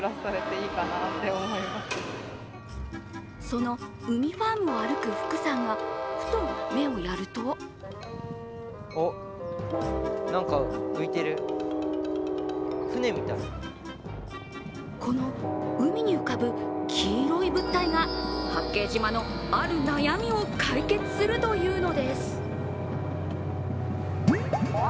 その、うみファームを歩く福さんがふと目をやるとこの海に浮かぶ黄色い物体が八景島のある悩みを解決するというのです。